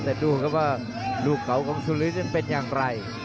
แต่ดูนะคะว่าลูกเก่าของสุรธิตเป็นยังไร